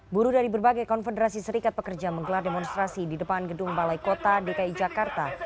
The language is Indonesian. buruh dari berbagai konfederasi serikat pekerja menggelar demonstrasi di depan gedung balai kota dki jakarta